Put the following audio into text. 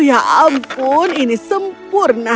ya ampun ini sempurna